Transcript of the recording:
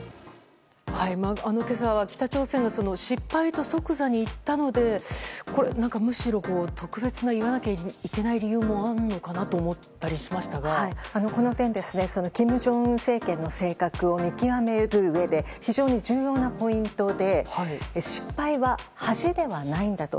今朝は北朝鮮が失敗と即座に言ったのでむしろ特別な言わなきゃいけない理由もあるのかなとこの点、金正恩政権の性格を見極めるうえで非常に重要なポイントで失敗は恥ではないんだと。